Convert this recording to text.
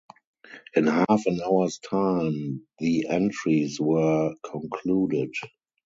In half an hour’s time the entries were concluded.